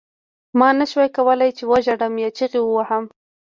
ما نشول کولای چې وژاړم یا چیغې ووهم